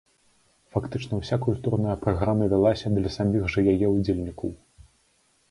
Фактычна ўся культурная праграма вялася для саміх жа яе ўдзельнікаў.